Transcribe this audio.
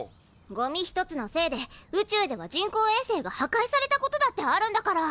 ゴミ一つのせいで宇宙では人工衛星がはかいされたことだってあるんだから。